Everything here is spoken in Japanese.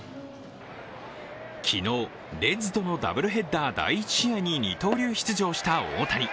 昨日、レッズとのダブルヘッダー第１試合に二刀流出場した大谷。